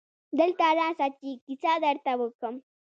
دلته راسه چي کیسه درته وکم.